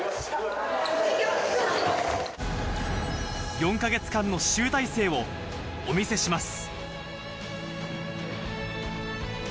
４か月間の集大成をお見せします。